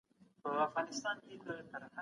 څېړونکي به په راتلونکي کې نور حقایق هم ومومي.